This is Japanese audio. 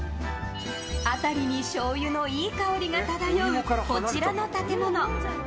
辺りに醤油のいい香りが漂うこちらの建物。